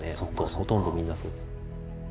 ほとんどみんなそうですね。